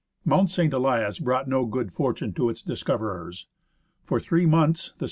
^ Mount St. Elias brought no good fortune to its discoverers. For three months the S^.